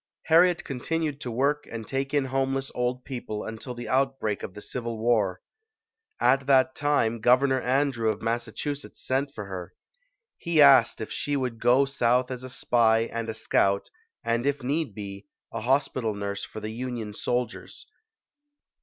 Harriet continued to work and take in homeless old people until the outbreak of the Civil War. At that time, Governor Andrew of Massachu setts sent for her. He asked if she would go South as a spy and a scout, and if need be, a hospital nurse for the Union soldiers.